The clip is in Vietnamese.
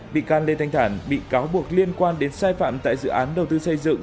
bị can lê thanh thản bị cáo buộc liên quan đến sai phạm tại dự án đầu tư xây dựng